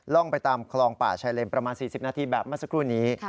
ไปตามคลองป่าชายเลนประมาณ๔๐นาทีแบบเมื่อสักครู่นี้